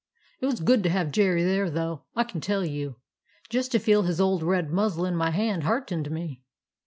It was good to have Jerry there, though, I can tell you; just to feel his old red muzzle in my hand heartened me.